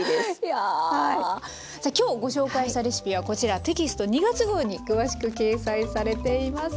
さあ今日ご紹介したレシピはこちらテキスト２月号に詳しく掲載されています。